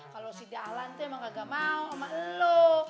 kalau si dahlan tuh emang gak mau sama lo